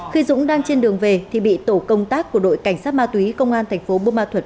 khi dũng đang trên đường về thì bị tổ công tác của đội cảnh sát ma túy công an thành phố bô ma thuật